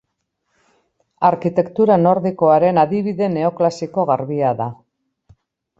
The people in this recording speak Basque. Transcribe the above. Arkitektura nordikoaren adibide neoklasiko garbia da.